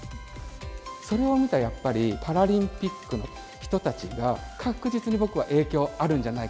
それを見たパラリンピックの人たちが、確実に僕は影響があるんじゃないかと。